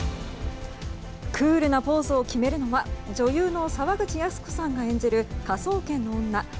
クールなポーズを決めるのは女優の沢口靖子さんが演じる「科捜研の女」